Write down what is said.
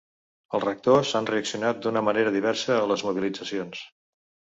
Els rectors han reaccionat d’una manera diversa a les mobilitzacions.